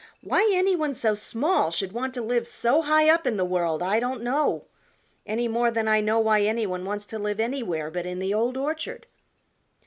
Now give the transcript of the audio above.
Why any one so small should want to live so high up in the world I don't know, any more than I know why any one wants to live anywhere but in the Old Orchard."